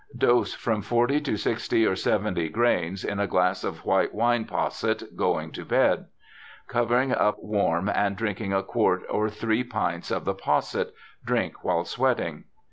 Dose from forty to sixty or seventy grains in a glass of white wine Posset going to bed ; covering up warm and drinking a quart or three pints of the Posset — Drink while sweating.'